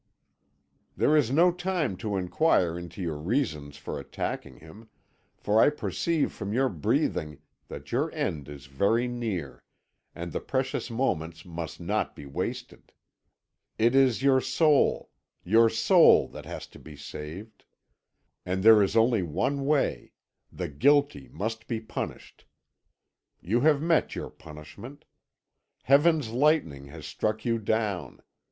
"There is no time to inquire into your reasons for attacking him, for I perceive from your breathing that your end is very near, and the precious moments must not be wasted. It is your soul your soul that has to be saved! And there is only one way the guilty must be punished. You have met your punishment. Heaven's lightning has struck you down.